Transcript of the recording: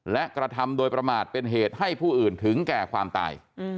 และกระทำโดยประมาทเป็นเหตุให้ผู้อื่นถึงแก่ความตาย